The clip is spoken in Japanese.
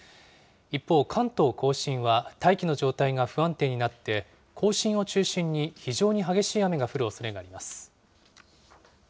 一方、関東甲信は大気の状態が不安定になって、甲信を中心に非常に激しい雨が降るおそれがあります。